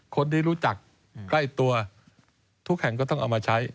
คนที่รู้จักใกล้ตัวทุกแห่งก็ต้องเอามาใช้